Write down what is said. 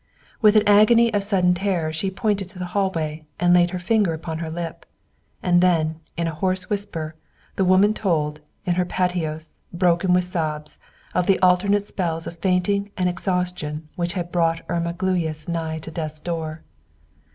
With an agony of sudden terror she pointed to the hallway, and laid her finger upon her lip. And then, in a hoarse whisper, the woman told, in her patois, broken with sobs, of the alternate spells of fainting and exhaustion which had brought Irma Gluyas nigh to Death's door.